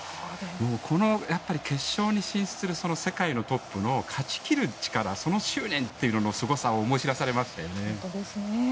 この決勝に進出する世界のトップの勝ち切る力その執念というののすごさを本当ですよね。